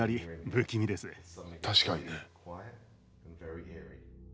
確かにね。